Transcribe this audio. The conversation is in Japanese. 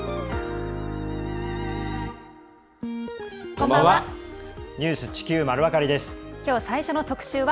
こんばんは。